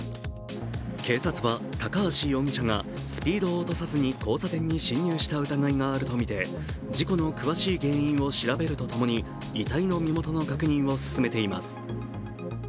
警察は、高橋容疑者がスピードを落とさずに交差点に進入した疑いがあるとみて、事故の詳しい原因を調べるとともに遺体の身元の確認を進めています。